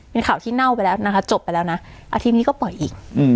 เป็นข่าวที่เน่าไปแล้วนะคะจบไปแล้วนะอาทิตย์นี้ก็ปล่อยอีก